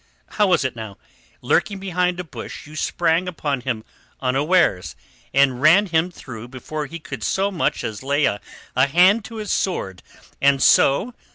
How was it, now? Lurking behind a bush you sprang upon him unawares and ran him through before he could so much as lay a hand to his sword, and so...."